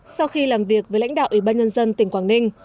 sau khi làm việc với lãnh đạo ủy ban nhân dân tỉnh quảng ninh